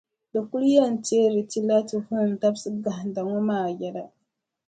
Di kuli yɛn teeri ti la ti vuhim dabisiʼ gahinda ŋɔ maa yɛla.